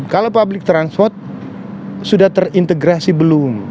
kalau public transport sudah terintegrasi belum